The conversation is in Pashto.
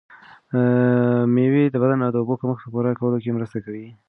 مېوې د بدن د اوبو د کمښت په پوره کولو کې مرسته کوي.